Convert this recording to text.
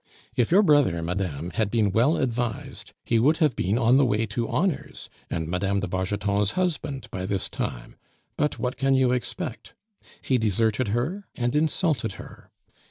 "If your brother, madame, had been well advised, he would have been on the way to honors, and Mme. de Bargeton's husband by this time; but what can you expect? He deserted her and insulted her.